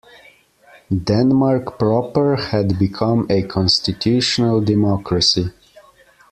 Denmark proper had become a constitutional democracy.